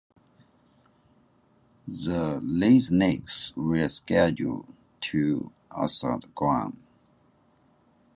These leathernecks were scheduled to assault Guam.